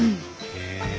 へえ。